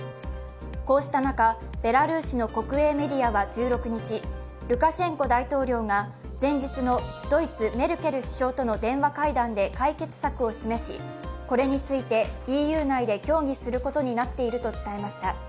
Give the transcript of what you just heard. こうした中、ベラルーシの国営メディアは１６日、ルカシェンコ大統領が前日のドイツ・メルケル首相との電話会談で解決策を示し、これについてＥＵ内で協議することになっていると伝えました。